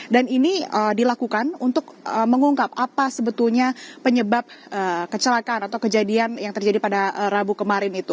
dan ini dilakukan untuk mengungkap apa sebetulnya penyebab kecelakaan atau kejadian yang terjadi pada rabu kemarin itu